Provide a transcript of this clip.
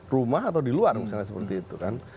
rumah atau di luar misalnya seperti itu kan